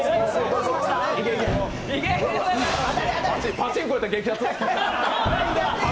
パチンコやったら激アツ。